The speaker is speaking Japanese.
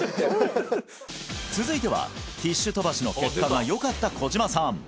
続いてはティッシュ飛ばしの結果がよかった小島さん